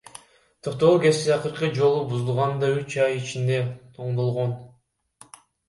Токтогул ГЭСи акыркы жолу бузулганда үч ай ичинде оңдолгон.